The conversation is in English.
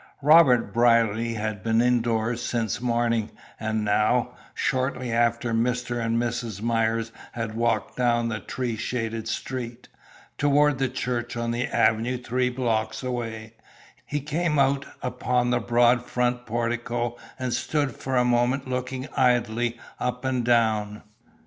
Robert Brierly had been indoors since morning, and now, shortly after Mr. and Mrs. Myers had walked down the tree shaded street, toward the church on the avenue three blocks away, he came out upon the broad front portico and stood for a moment looking idly up and down.